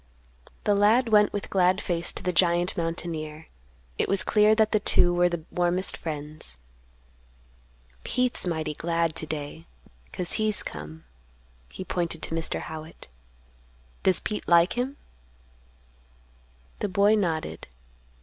The lad went with glad face to the giant mountaineer. It was clear that the two were the warmest friends. "Pete's mighty glad to day, 'cause he's come." He pointed to Mr. Howitt. "Does Pete like him?" The boy nodded.